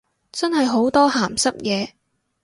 真係好多鹹濕嘢